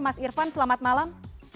mas irfan selamat malam